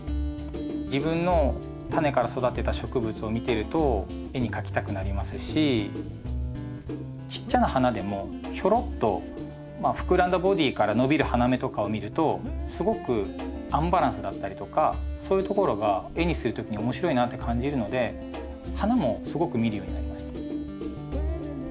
自分のタネから育てた植物を見てると絵に描きたくなりますしちっちゃな花でもひょろっとまあ膨らんだボディーから伸びる花芽とかを見るとすごくアンバランスだったりとかそういうところが絵にする時に面白いなって感じるので花もすごく見るようになりました。